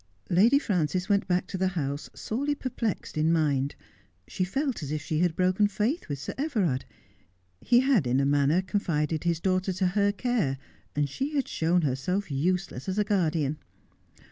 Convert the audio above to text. Lady Frances went back to the house sorely perplexed in mind. She felt as if she had broken faith with Sir Everard. He had, in a manner, confided his daughter to her care, and she had shown herself useless as a guardian.